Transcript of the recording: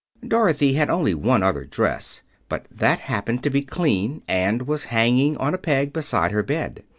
Dorothy had only one other dress, but that happened to be clean and was hanging on a peg beside her bed.